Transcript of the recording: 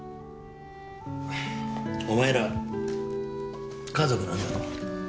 お前ら家族なんだろ？